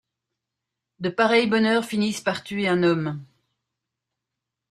De pareils bonheurs finissent par tuer un homme.